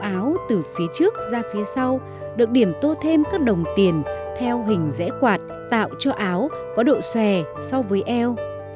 áo từ phía trước ra phía sau được điểm tô thêm các đồng tiền theo hình rẽ quạt tạo cho áo có độ xòe so với eo